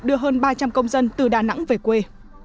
đưa hơn ba trăm linh công dân từ đà nẵng về quê